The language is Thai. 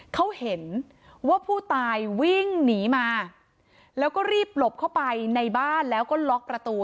เขาเห็นว่าผู้ตายวิ่งหนีมาแล้วก็รีบหลบเข้าไปในบ้านแล้วก็ล็อกประตู